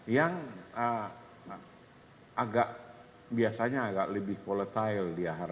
yang agak biasanya agak lebih volatile dia